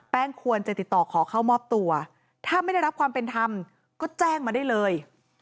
ควรจะติดต่อขอเข้ามอบตัวถ้าไม่ได้รับความเป็นธรรมก็แจ้งมาได้เลย